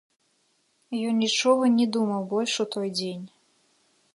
Ён нічога не думаў больш у той дзень.